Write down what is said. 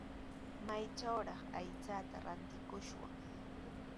¿Maytrawraq aychata rantikushwan?